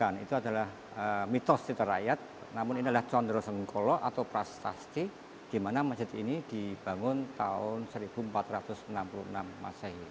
bukan itu adalah mitos cita rakyat namun ini adalah condro sengkolo atau prastasti di mana masjid ini dibangun tahun seribu empat ratus enam puluh enam masehi